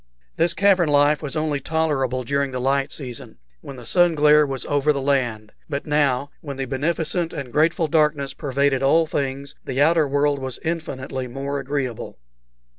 This cavern life was only tolerable during the light season, when the sun glare was over the land; but now, when the beneficent and grateful darkness pervaded all things, the outer world was infinitely more agreeable.